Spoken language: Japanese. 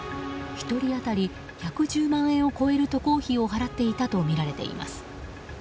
１人当たり１１０万円を超える渡航費を払っていたとみられています。